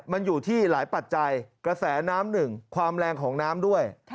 มันอยู่ที่หลายปัจจัยกระแสน้ำหนึ่งความแรงของน้ำด้วย